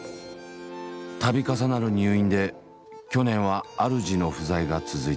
度重なる入院で去年は主の不在が続いた。